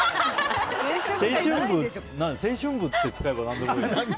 青春部って使えば何でもいいの？